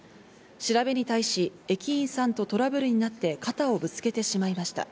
調べに対し、駅員さんとトラブルになって肩をぶつけてしまいました。